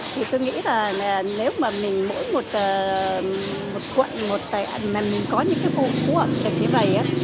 thì tôi nghĩ là nếu mà mình mỗi một quận một tài ẩn mà mình có những vụ ẩm thực như vậy